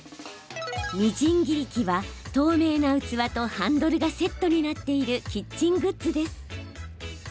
みじん切り器は透明な器とハンドルがセットになっているキッチングッズです。